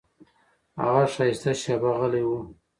هغه ښایسته شېبه غلی و.